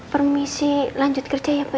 permisi lanjut kerja ya pak